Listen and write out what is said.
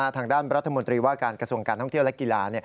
ทางด้านรัฐมนตรีว่าการกระทรวงการท่องเที่ยวและกีฬา